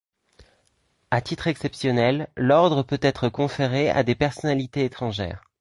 À titre exceptionnel, l'ordre peut être conféré à des personnalités étrangères.